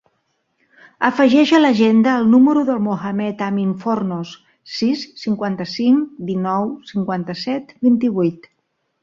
Afegeix a l'agenda el número del Mohamed amin Fornos: sis, cinquanta-cinc, dinou, cinquanta-set, vint-i-vuit.